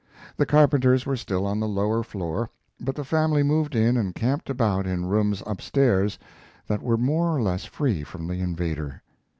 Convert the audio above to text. The carpenters were still on the lower floor, but the family moved in and camped about in rooms up stairs that were more or less free from the invader.